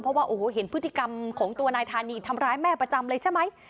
เพราะว่าโอ้โหเห็นพฤติกรรมของตัวนายธานีทำร้ายแม่ประจำเลยใช่ไหม